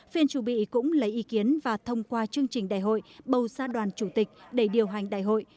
phiên chủ bị cũng lấy ý kiến và thông qua chương trình đại hội bầu ra đoàn chủ tịch để điều hành đại hội